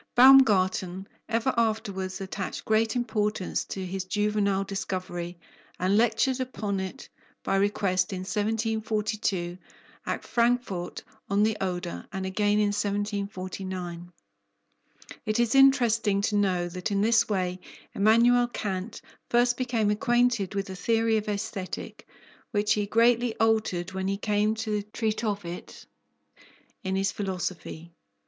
Baumgarten ever afterwards attached great importance to his juvenile discovery, and lectured upon it by request in 1742, at Frankfort on the Oder, and again in 1749. It is interesting to know that in this way Emmanuel Kant first became acquainted with the theory of Aesthetic, which he greatly altered when he came to treat of it in his philosophy.